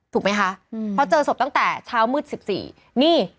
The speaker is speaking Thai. ถูกไหมคะเขาเจอศพตั้งแต่เช้ามืด๑๔นี่